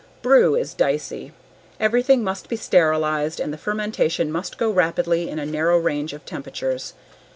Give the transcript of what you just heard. Brew is dicey. Everything must be sterilized and the fermentation must go rapidly in a narrow range of temperatures.